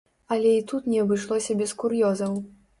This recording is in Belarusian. Але і тут не абышлося без кур'ёзаў.